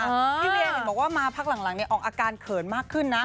พี่เวียเห็นบอกว่ามาพักหลังออกอาการเขินมากขึ้นนะ